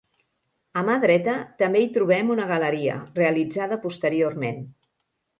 A mà dreta també hi trobem una galeria, realitzada posteriorment.